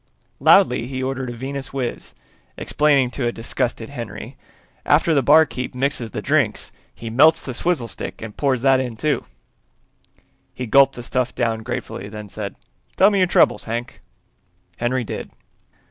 Loudly he ordered a Venuswiz, explaining to a disgusted Henry, "After the barkeep mixes the drink he melts the swizzle stick and pours that in, too." He gulped the stuff down gratefully, then said, "Tell me your troubles, Hank." Henry did.